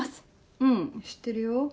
うん知ってるよ。